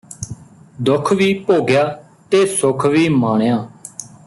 ਦੁੱਖ ਵੀ ਭੋਗਿਆ ਤੇ ਸੁੱਖ ਵੀ ਮਾਣਿਆਂ